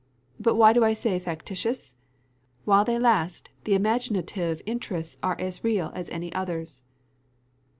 But why do I say factitious? while they last, the imaginative interests are as real as any others."